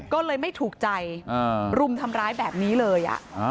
ก็เลยไม่ถูกใจรุมทำร้ายแบบนี้เลย